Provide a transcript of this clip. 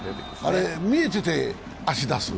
あれ、見えてて足出す？